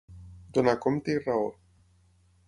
Donar compte i raó.